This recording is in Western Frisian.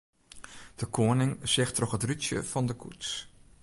De koaning seach troch it rútsje fan de koets.